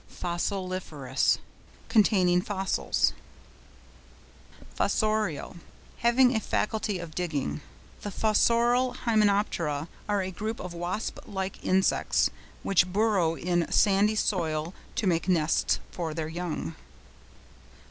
FOSSILIFEROUS.—Containing fossils. FOSSORIAL.—Having a faculty of digging. The Fossorial Hymenoptera are a group of Wasp like Insects, which burrow in sandy soil to make nests for their young.